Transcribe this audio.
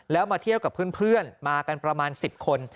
แล้วมาเที่ยวกับเพื่อนมากันประมาณ๑๐คน